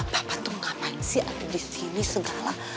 papa tuh ngapain sih disini segala